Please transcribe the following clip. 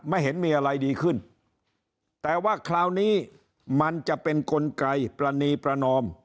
ไม่เห็นมีอะไรดีขึ้นแต่ว่าคราวนี้มันจะเป็นกลไกปรณีประนอม